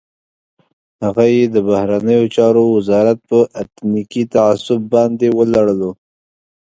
هغه یې د بهرنیو چارو وزارت په اتنیکي تعصب باندې ولړلو.